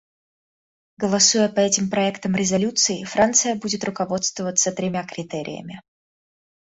Голосуя по этим проектам резолюций, Франция будет руководствоваться тремя критериями.